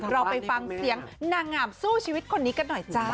เราไปฟังเสียงนางงามสู้ชีวิตคนนี้กันหน่อยจ้า